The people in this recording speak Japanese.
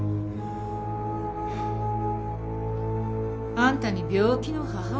あんたに病気の母親が？